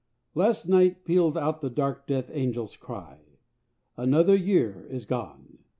Last night pealed out the dark Death angelâs cry âAnother year is gone!